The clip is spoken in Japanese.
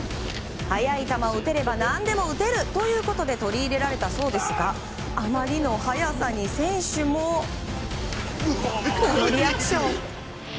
速い球を打てれば何でも打てるということで取り入れられたそうですがあまりの速さに選手もこのリアクション。